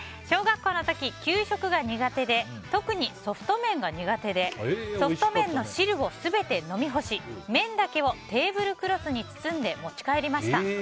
小学校の時給食が苦手で特にソフト麺が苦手でソフト麺の汁を全て飲み干し麺だけをテーブルクロスに包んで持ち帰りました。